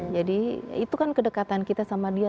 jadi itu kan kedekatan kita sama dia